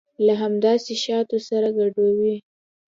له همداسې شاتو سره ګډوي.